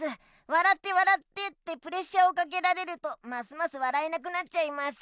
「笑って笑って！」ってプレッシャーをかけられるとますます笑えなくなっちゃいます。